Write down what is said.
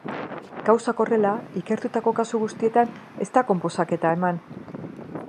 Gauzak horrela, ikertutako kasu guztietan ez da konposaketa eman.